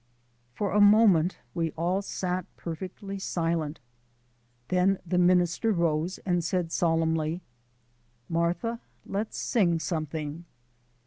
For a moment we all sat perfectly silent, then the minister rose, and said solemnly: "Martha, let's sing something."